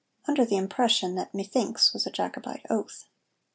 under the impression that Methinks was a Jacobite oath.